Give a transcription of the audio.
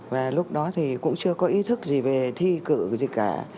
và lúc đó thì cũng chưa có ý thức gì về thi cử gì cả